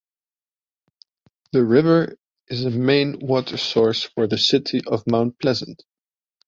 The river is a main water source for the city of Mount Pleasant.